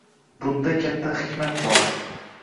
Bunda katta hikmat bor